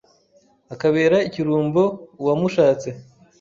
Akabera ikirumbo uwamushatse,